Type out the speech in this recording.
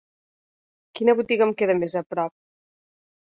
Quina botiga em queda més aprop?